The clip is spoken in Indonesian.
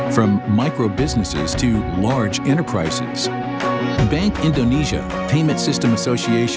pembeli akan mendapatkan notifikasi transaksi